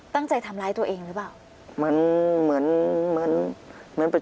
ตั้งใจทำร้ายตัวเองหรือเปล่า